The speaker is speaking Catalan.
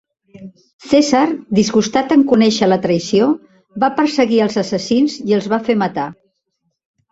Cèsar, disgustat en conèixer la traïció, va perseguir als assassins i els va fer matar.